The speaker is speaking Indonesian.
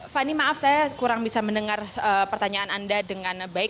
fani maaf saya kurang bisa mendengar pertanyaan anda dengan baik